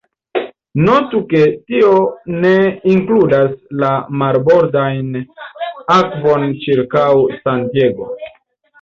Notu ke tio ne inkludas la marbordajn akvon ĉirkaŭ San Diego.